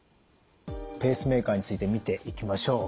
ペースメーカーについて見ていきましょう。